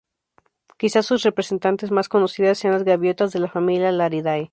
Quizá sus representantes más conocidas sean las gaviotas de la familia Laridae.